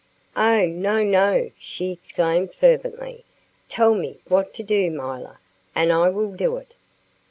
"Oh, no, no!" she exclaimed fervently. "Tell me what to do, milor, and I will do it."